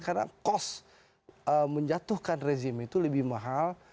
karena kos menjatuhkan rezim itu lebih mahal